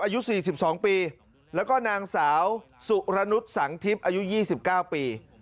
อายุ๔๒ปีแล้วก็นางสาวสุรนุษย์สังทิพย์อายุ๒๙ปี